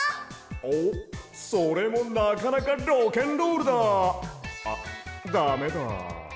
おっそれもなかなかロケンロールだ！あっだめだ。